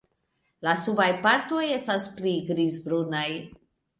La subaj partoj estas pli grizbrunaj.